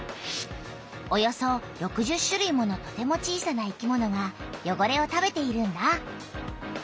およそ６０種類ものとても小さな生きものがよごれを食べているんだ。